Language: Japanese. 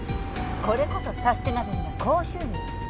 これこそサステナブルな高収入。